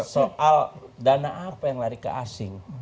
soal dana apa yang lari ke asing